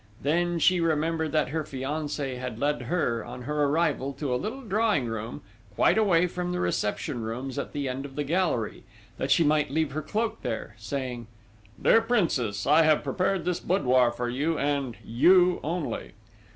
Then she remembered that her fiancé had led her, on her arrival, to a little drawing room, quite away from the reception rooms at the end of the gallery, that she might leave her cloak there, saying: "Dear Princess, I have prepared this boudoir for you, and you only."